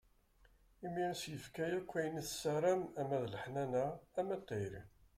Imi i s-yefka akk ayen i tessaram ama d leḥnana, ama d tayri.